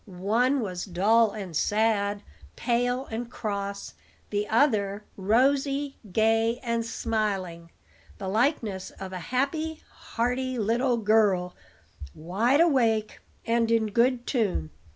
One was dull and sad, pale and cross; the other, rosy, gay, and smiling, the likeness of a happy, hearty little girl, wide awake and in good tune.